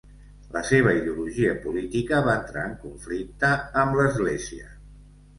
La seva ideologia política va entrar en conflicte amb l'església.